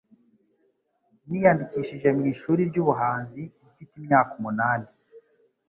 Niyandikishije mu ishuri ry'ubuhanzi mfite imyaka umunani.